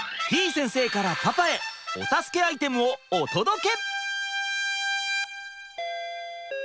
先生からパパへお助けアイテムをお届け！